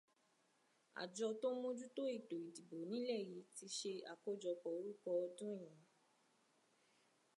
Àjọ tó ń mójútó ètò ìdìbò nílẹ̀ yí ti ṣe àkójọpọ̀ orúkọ ọdún yìí